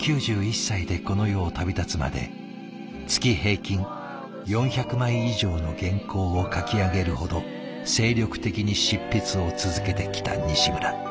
９１歳でこの世を旅立つまで月平均４００枚以上の原稿を書き上げるほど精力的に執筆を続けてきた西村。